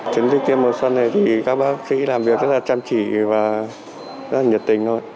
chiến dịch tiêm mùa xuân này thì các bác sĩ làm việc rất là chăm chỉ và rất là nhiệt tình thôi